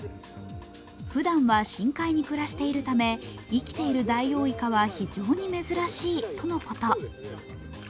ふだんは深海に暮らしているため生きているダイオウイカは非常に珍しいとのこと。